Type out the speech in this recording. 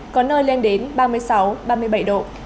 có nơi lên đến ba mươi sáu ba mươi bảy độ